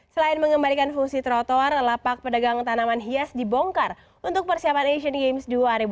selain mengembalikan fungsi trotoar lapak pedagang tanaman hias dibongkar untuk persiapan asian games dua ribu delapan belas